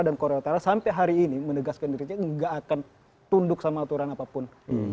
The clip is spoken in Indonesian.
dan korea utara sampai hari ini menegaskan dirinya nggak akan tunduk sama aturan apapun